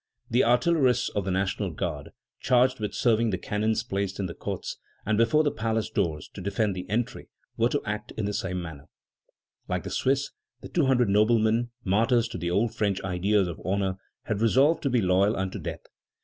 The artillerists of the National Guard, charged with serving the cannons placed in the courts and before the palace doors to defend the entry, were to act in the same manner. Like the Swiss, the two hundred noblemen, martyrs to the old French ideas of honor, had resolved to be loyal unto death.